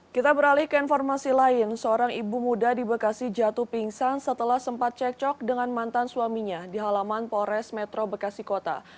kita beralih ke informasi lain seorang ibu muda di bekasi jatuh pingsan setelah sempat cekcok dengan mantan suaminya di halaman polres metro bekasi kota